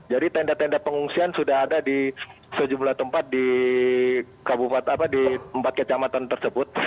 jadi tenda tenda pengungsian sudah ada di sejumlah tempat di empat kecamatan tersebut